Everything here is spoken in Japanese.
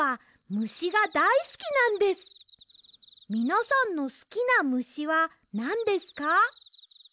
みなさんのすきなむしはなんですか？